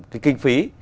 cái kinh phí